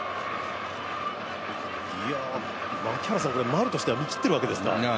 丸としては見切っているわけですか。